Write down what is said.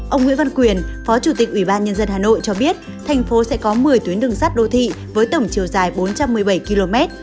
ông nguyễn văn quyền phó chủ tịch ủy ban nhân dân hà nội cho biết thành phố sẽ có một mươi tuyến đường sắt đô thị với tổng chiều dài bốn trăm một mươi bảy km